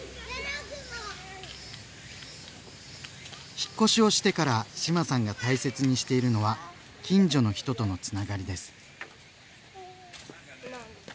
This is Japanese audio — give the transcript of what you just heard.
引っ越しをしてから志麻さんが大切にしているのは近所の人とのつながりです。